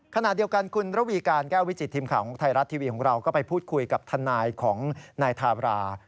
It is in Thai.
ขณะเดียวกันคุณระวีการแก้ววิจิตทีมข่าวของไทยรัฐทีวีของเราก็ไปพูดคุยกับทนายของนายทารา